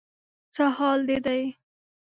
څه حال دې دی؟